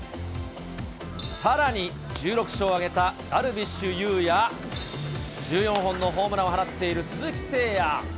さらに、１６勝を挙げたダルビッシュ有や、１４本のホームランを放っている鈴木誠也。